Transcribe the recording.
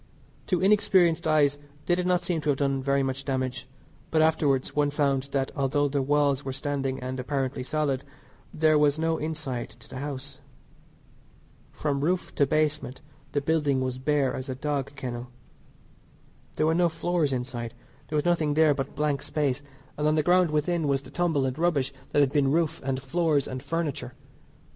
To inexperienced eyes they did not seem to have done very much damage, but afterwards one found that although the walls were standing and apparently solid there was no inside to the house. From roof to basement the building was bare as a dog kennel. There were no floors inside, there was nothing there but blank space; and on the ground within was the tumble and rubbish that had been roof and floors and furniture.